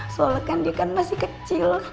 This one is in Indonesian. soalnya kan dia kan masih kecil